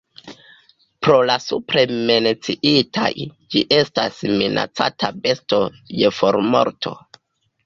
Pro la supre menciitaj, ĝi estas minacata besto je formorto.